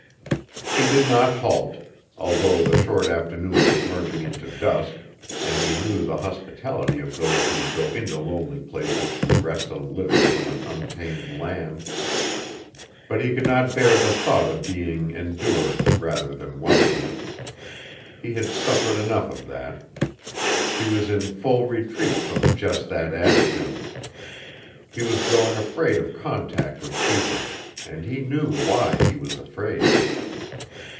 He did not halt, although the short afternoon was merging into dusk and he knew the hospitality of those who go into lonely places to wrest a living from an untamed land. But he could not bear the thought of being endured rather than welcomed. He had suffered enough of that. He was in full retreat from just that attitude. He was growing afraid of contact with people, and he knew why he was afraid.